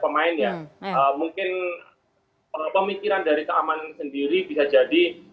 mungkin pemikiran dari keamanan sendiri bisa jadi